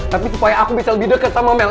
tapi supaya aku bisa lebih deket sama mel